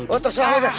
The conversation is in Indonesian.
oh terserah ustaz